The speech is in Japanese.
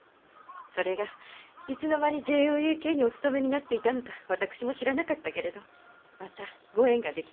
それがいつの間にＪＯＡＫにお勤めになっていたのか私も知らなかったけれどまたご縁が出来てね。